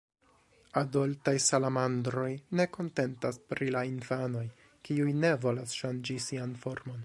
Adoltaj salamandroj ne kontentas pri la infanoj, kiuj ne volas ŝanĝi sian formon.